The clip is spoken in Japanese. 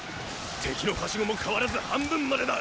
敵の梯子も変わらず半分までだ！